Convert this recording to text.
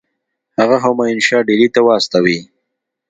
هغه همایون شاه ډهلي ته واستوي.